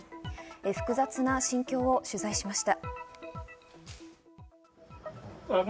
複雑な心境を取材しました。